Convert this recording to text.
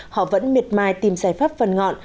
họ vẫn miệt mai tìm giải pháp vần ngọn